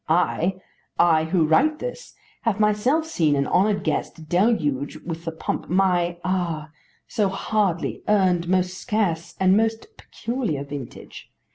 I, I who write this, have myself seen an honoured guest deluge with the pump my, ah! so hardly earned, most scarce and most peculiar vintage!